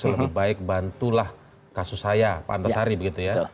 lebih baik bantulah kasus saya pak antasari begitu ya